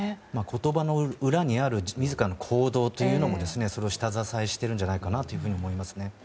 言葉の裏にある自らの行動というのもそれを下支えしているんじゃないかと思いますね。